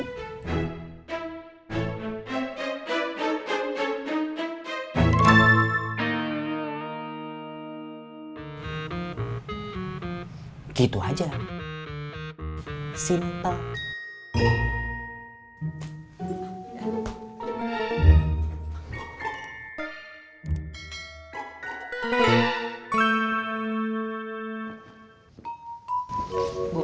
nanti sekelasnya sama murid murid baru